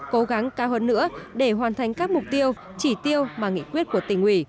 cố gắng cao hơn nữa để hoàn thành các mục tiêu chỉ tiêu mà nghị quyết của tỉnh ủy